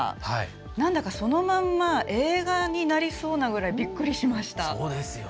なんだか、そのまんま映画になりそうなぐらいびっくりしました。